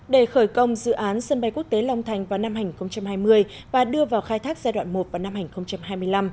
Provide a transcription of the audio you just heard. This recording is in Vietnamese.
để khởi công dự án sân bay quốc tế long thành vào năm hai nghìn hai mươi và đưa vào khai thác giai đoạn một vào năm hai nghìn hai mươi năm